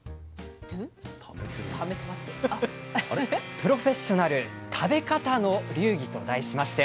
「プロフェッショナル食べ方の流儀」と題しまして。